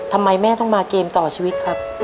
ทำไมแม่ต้องมาเกมต่อชีวิตครับ